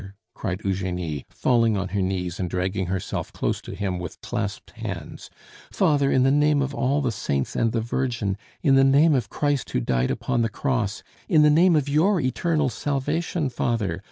cried Eugenie, falling on her knees and dragging herself close to him with clasped hands, "father, in the name of all the saints and the Virgin! in the name of Christ who died upon the cross! in the name of your eternal salvation, father!